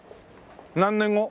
何年後？